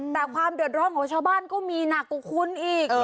แต่ความเดือดร้อนของชาวบ้านก็มีหนักกว่าคุณอีก